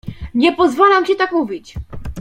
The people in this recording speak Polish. "Nie pozwalam ci tak mówić!"